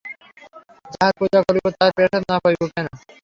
যাহার পূজা করিব তাহার প্রসাদ না পাইব কেন।